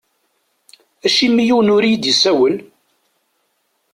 Acimi yiwen ur iyi-d-isawel?